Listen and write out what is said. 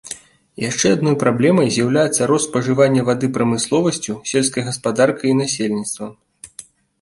Яшчэ адной праблемай з'яўляецца рост спажывання вады прамысловасцю, сельскай гаспадаркай і насельніцтвам.